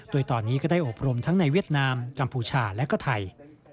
โดยตอนนี้ก็ได้อบรมทั้งในเวียดนามกัมพูชาและก็ไทย